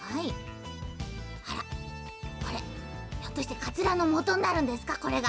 あらこれひょっとしてかつらのもとになるんですか？